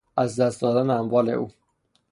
از دست دادن اموال او